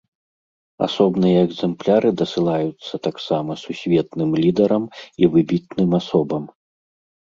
Асобныя экзэмпляры дасылаюцца таксама сусветным лідарам і выбітным асобам.